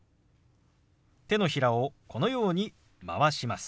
手のひらをこのように回します。